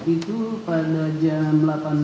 itu pada jam delapan belas tiga puluh